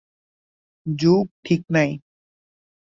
যুগ ঠিক নাই।